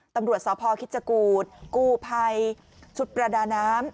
ตำรวจสาวพอร์คิดจากูตกูภัยชุดประดาน้ำ